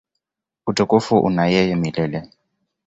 Utukufu una yeye milele.